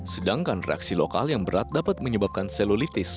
sedangkan reaksi lokal yang berat dapat menyebabkan selulitis